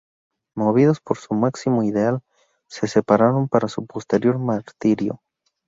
Movidos por su máximo ideal, se prepararon para su posterior martirio.